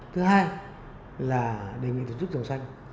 thứ hai là đề nghị tổ chức hồng xanh